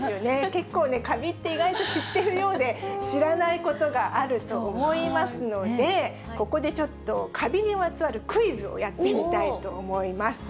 結構ね、かびって意外と知っているようで知らないことがあると思いますので、ここでちょっとかびにまつわるクイズをやってみたいと思います。